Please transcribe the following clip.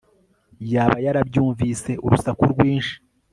yaba yarabyumvise urusaku rwinshi